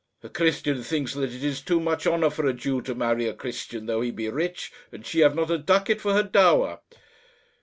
"A Christian thinks that it is too much honour for a Jew to marry a Christian, though he be rich, and she have not a ducat for her dower."